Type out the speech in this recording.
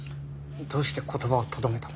どうして言葉をとどめたの？